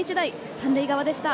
三塁側でした。